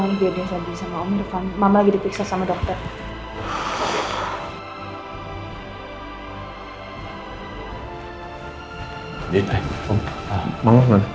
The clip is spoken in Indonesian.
kamu dimana din sudah sampai rumah sakit ini masa aku lagi di depan